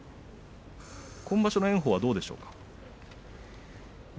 今場所の炎鵬はどうでしょうか。